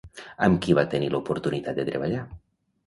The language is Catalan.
Amb qui va tenir l'oportunitat de treballar?